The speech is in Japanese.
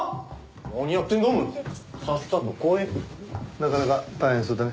なかなか大変そうだね。